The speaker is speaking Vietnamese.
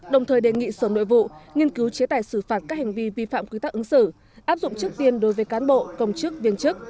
đồng thời đề nghị sở nội vụ nghiên cứu chế tài xử phạt các hành vi vi phạm quy tắc ứng xử áp dụng trước tiên đối với cán bộ công chức viên chức